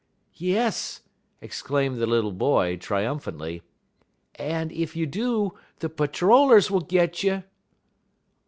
"Yes!" exclaimed the little boy, triumphantly, "and, if you do, the patter rollers will get you."